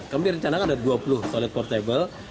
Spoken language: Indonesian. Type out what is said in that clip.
kami rencanakan ada dua puluh toilet portable